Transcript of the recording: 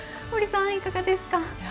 堀さん、いかがですか？